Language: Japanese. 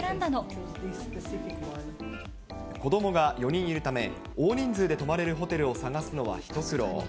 子どもが４人いるため、大人数で泊まれるホテルを探すのは一苦労。